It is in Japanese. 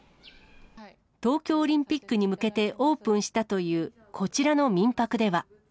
東京オリンピックに向けてオープンしたというこちらの民泊では。